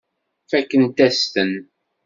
Fakkent-as-ten.